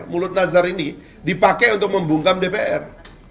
mulut nazar ini dipakai untuk membungkam dpr